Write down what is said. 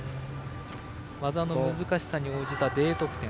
技の難しさに応じたＤ得点